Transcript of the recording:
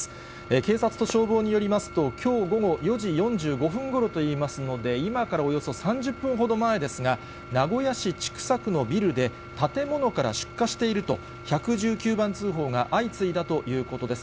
警察と消防によりますと、きょう午後４時４５分ごろといいますので、今からおよそ３０分ほど前ですが、名古屋市千種区のビルで、建物から出火していると１１９番通報が相次いだということです。